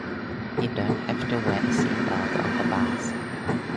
You don't have to wear a seatbelt on the bus.